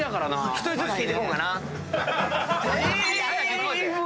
１人ずつ聞いていこうかな。